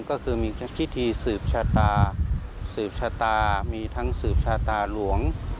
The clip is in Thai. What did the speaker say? ก็คือมีพิธีสืบชะตาสืบชะตามีทั้งสืบชะตาหลวง